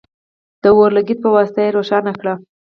د اور لګیت په واسطه یې روښانه کړئ.